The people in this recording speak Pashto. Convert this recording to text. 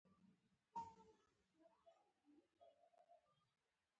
ماشومې په ژړغوني غږ وویل: